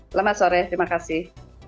selamat sore terima kasih